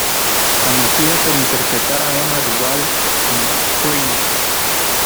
Conocida por interpretar a Emma Duval en "Scream".